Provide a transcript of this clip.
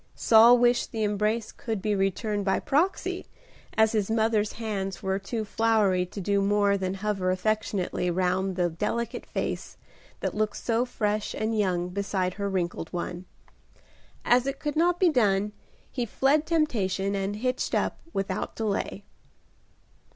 Saul wished the embrace could be returned by proxy, as his mother's hands were too floury to do more than hover affectionately round the delicate face that looked so fresh and young beside her wrinkled one. As it could not be done, he fled temptation and "hitched up" without delay.